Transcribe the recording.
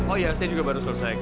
oh iya setia juga baru selesai kok